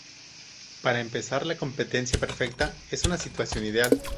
Para empezar, la "competencia perfecta" es una situación "ideal".